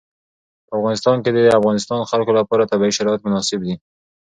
په افغانستان کې د د افغانستان خلکو لپاره طبیعي شرایط مناسب دي.